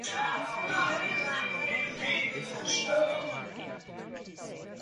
They were very light weight compared with other boats of the era.